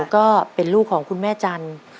ก็เป็นลูกของคุณแม่จันทร์